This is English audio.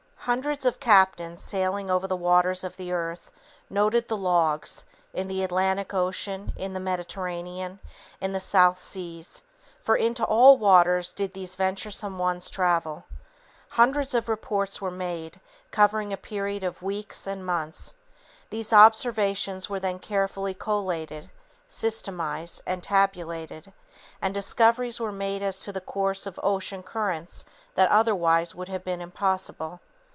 Hundreds of captains, sailing over the waters of the earth, noted the logs, in the Atlantic Ocean, in the Mediterranean, in the South Seas for into all waters did these venturesome ones travel. Hundreds of reports were made, covering a period of weeks and months. These observations were then carefully collated, systematized and tabulated, and discoveries were made as to the course of ocean currents that otherwise would have been impossible.